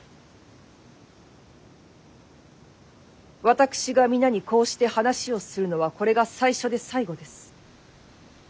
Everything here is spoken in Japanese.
「私が皆にこうして話をするのはこれが最初で最後です。